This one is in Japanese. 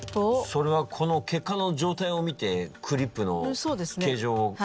それはこの血管の状態を見てクリップの形状を選ぶということか？